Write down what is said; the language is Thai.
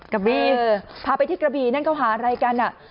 กระบีพาไปที่กระบีนั่นเขาหาอะไรกันอ่ะ